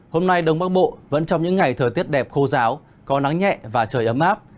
hôm nay đông bắc bộ vẫn trong những ngày thời tiết đẹp khô giáo có nắng nhẹ và trời ấm áp